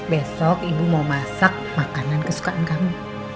besok ibu mau masak makanan kesukaan kamu